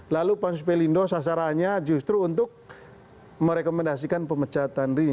lalu pansus pelindo sasarannya justru untuk merekomendasikan pemecatan ri